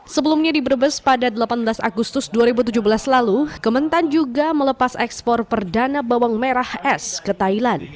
sebelumnya di brebes pada delapan belas agustus dua ribu tujuh belas lalu kementan juga melepas ekspor perdana bawang merah es ke thailand